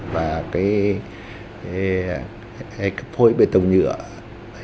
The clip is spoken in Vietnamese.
và cái phối bề tông nhựa